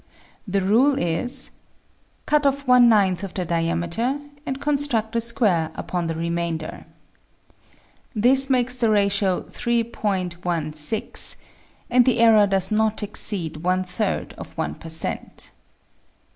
The rule is : Cut off one ninth of the diameter and construct a square upon the remainder. This makes the ratio 3.16.. and the error does not exceed one third of one per cent.